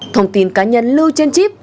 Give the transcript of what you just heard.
thông tin cá nhân lưu trên chip